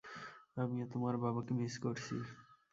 আমিও তোমার বাবাকে মিস করছি।